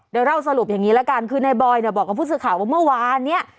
เดี๋ยวเราสรุปอย่างนี้ละกันคือนายบอยเนี่ยบอกกับผู้สื่อข่าวว่าเมื่อวานเนี่ย